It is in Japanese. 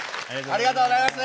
ありがとうございます。